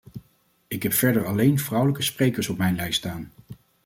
Ik heb verder alleen vrouwelijke sprekers op mijn lijst staan.